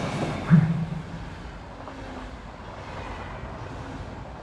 এখন আমি সব ছেড়ে দিয়েছি, আমি এখন শান্তিতে ঘুমাবো।